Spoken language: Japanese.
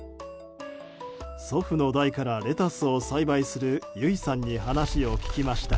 祖父の代からレタスを栽培する由井さんに話を聞きました。